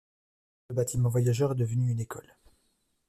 Le bâtiment voyageurs est devenu une école.